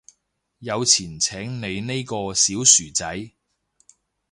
有錢請你呢個小薯仔